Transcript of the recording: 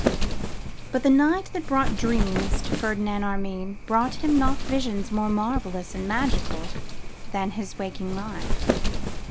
But the night that brought dreams to Ferdinand Armine brought him not visions more marvellous and magical than his waking life.